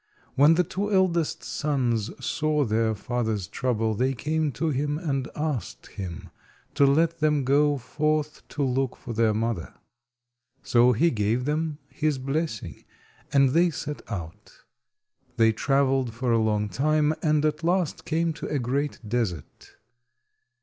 When the two eldest sons saw their father's trouble they came to him, and asked him to let them go forth to look for their mother. So he gave them his blessing, and they set out. They travelled for a long time, and at last came to a great desert.